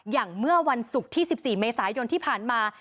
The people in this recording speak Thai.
อย่างเมื่อวันศุกร์ที่๑๔เมษายนที่ผ่านมา